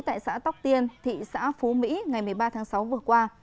tại xã tóc tiên thị xã phú mỹ ngày một mươi ba tháng sáu vừa qua